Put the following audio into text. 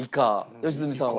良純さんは？